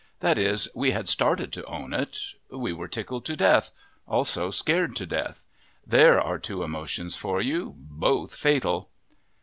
That is, we had started to own it. We were tickled to death also scared to death. There are two emotions for you, both fatal!